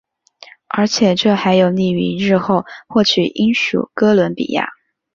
而且这还有利于日后获取英属哥伦比亚。